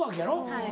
はい。